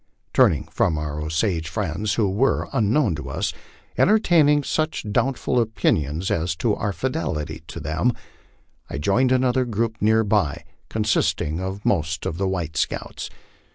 Turning from our Osage friends, who were, unknown to us, entertaining such doubtful opinions as to our fidelity to them, I joined another group near by, consisting of most of the white scouts.